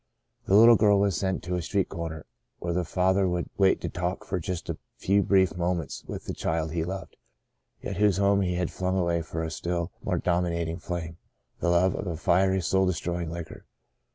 The little girl was sent to a street corner, where the father would wait to talk for just a few brief moments with the child he loved, yet whose home he had flung away for a still more dominating flame — the love of a fiery, soul destroying liquor.